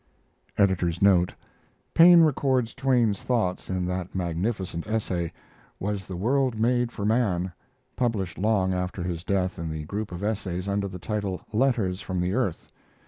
[Paine records Twain's thoughts in that magnificent essay: "Was the World Made for Man" published long after his death in the group of essays under the title "Letters from the Earth."